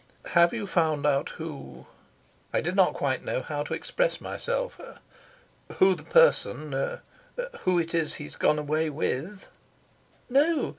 "Have you found out who" I did not quite know how to express myself "who the person, who it is he's gone away with?" "No.